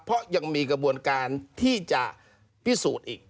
เพราะยังมีกระบวนการที่จะพิสูจน์อีก